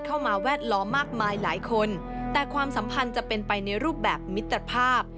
แวดล้อมมากมายหลายคนแต่ความสัมพันธ์จะเป็นไปในรูปแบบมิตรภาพ